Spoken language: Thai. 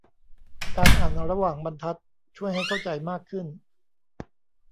การอ่านระหว่างบรรทัดช่วยให้เข้าใจมากขึ้น